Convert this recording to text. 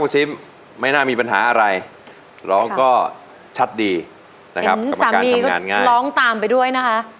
สามีก็ร้องตามไปด้วยนะคะ